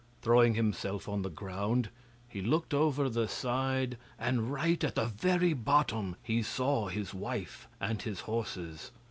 Throwing himself on the ground he looked over the side, and right at the very bottom he saw his wife and his horses.